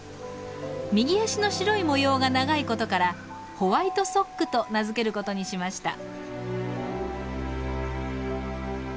右足の白い模様が長い事からホワイトソックと名付ける事にしました。